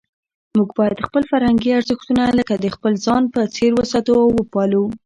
موږ باید خپل فرهنګي ارزښتونه لکه د خپل ځان په څېر وساتو او وپالو.